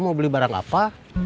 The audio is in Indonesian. mau beli barang apa